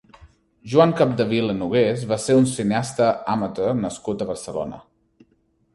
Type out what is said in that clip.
Joan Capdevila Nogués va ser un cineasta amateur nascut a Barcelona.